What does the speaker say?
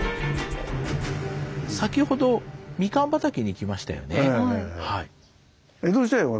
先ほどみかん畑に行きましたよね。